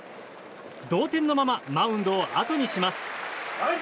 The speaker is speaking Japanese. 同点のままマウンドをあとにします。